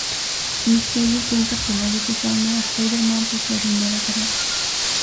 Mysterio fue encarcelado, culpando a Spider-Man por su arruinada carrera.